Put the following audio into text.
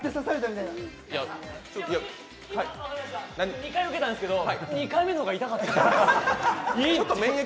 ２回受けたんですけど、２回目の方が痛かったです。